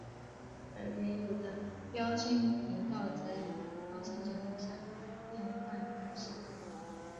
而原有的标清频道则以高清节目下变换方式播出。